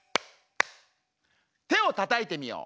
てをたたいてみよう。